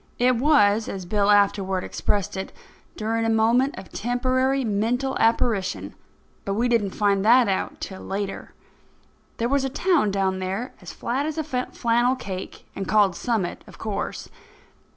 It was, as Bill afterward expressed it, "during a moment of temporary mental apparition"; but we didn't find that out till later. There was a town down there, as flat as a flannel cake, and called Summit, of course.